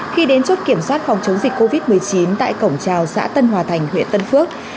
khi đến chốt kiểm soát phòng chống dịch covid một mươi chín tại cổng trào xã tân hòa thành huyện tân phước